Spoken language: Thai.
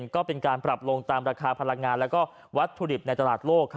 ก็เป็นการปรับลงตามราคาพลังงานและวัตถุดิบในตลาดโลก